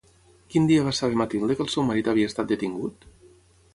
Quin dia va saber Mathilde que el seu marit havia estat detingut?